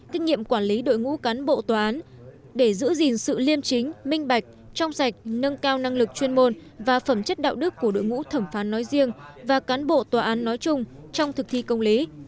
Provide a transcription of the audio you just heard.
kinh nghiệm quản lý đội ngũ cán bộ tòa án để giữ gìn sự liêm chính minh bạch trong sạch nâng cao năng lực chuyên môn và phẩm chất đạo đức của đội ngũ thẩm phán nói riêng và cán bộ tòa án nói chung trong thực thi công lý